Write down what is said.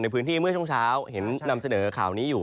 พื้นที่เมื่อช่วงเช้าเห็นนำเสนอข่าวนี้อยู่